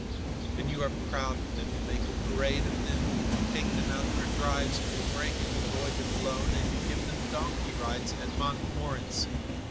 And you are proud of them, you make a parade of them, you take them out for drives in your break in the Bois de Boulogne and you give them donkey rides at Montmorency.